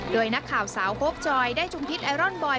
โดยนักข่าวสาวโฮกจอยได้ชุมพิษไอรอนบอย